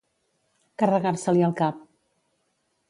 Carregar-se-li el cap.